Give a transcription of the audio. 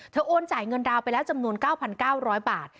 โอนจ่ายเงินดาวไปแล้วจำนวน๙๙๐๐บาท